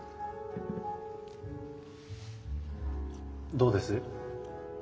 どうです？